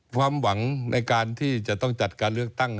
ความหวังในการที่จะต้องจัดการเลือกตั้ง